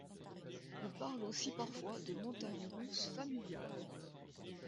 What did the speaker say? On parle aussi parfois de montagnes russes familiales.